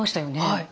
はい。